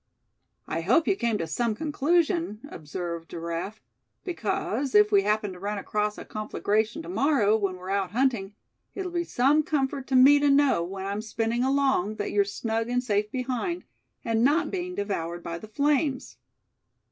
"I hope you came to some conclusion," observed Giraffe; "because, if we happen to run across a conflagration to morrow, when we're out hunting, it'll be some comfort to me to know, when I'm spinning along, that you're snug and safe behind, and not being devoured by the flames."